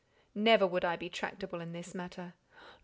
"Never would I be tractable in this matter.